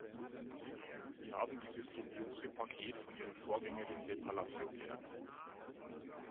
Sie haben dieses dubiose Paket von Ihrer Vorgängerin de Palacio geerbt.